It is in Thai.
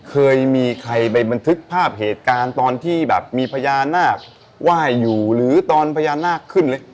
เคยมีใครไปบันทึกภาพเหตุการณ์ตอนที่แบบมีพญานาคไหว้อยู่หรือตอนพญานาคขึ้นเลย